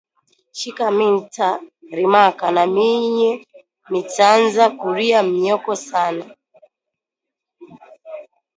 Shiku minta rimaka namiye mitanza kuria myoko sana